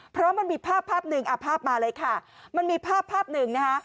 เพราะมันมีภาพภาพหนึ่งอ่ะภาพมาเลยค่ะมันมีภาพภาพหนึ่งนะคะ